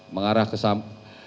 mengarah ke samping